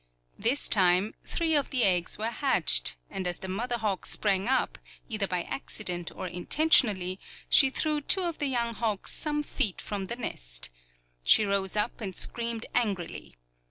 This time three of the eggs were hatched, and as the mother hawk sprang up, either by accident or intentionally she threw two of the young hawks some feet from the nest. She rose up and screamed angrily.